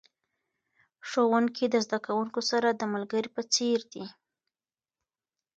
ښوونکي د زده کوونکو سره د ملګري په څیر دي.